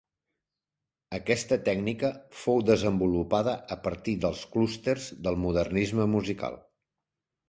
Aquesta tècnica fou desenvolupada a partir dels clústers del modernisme musical.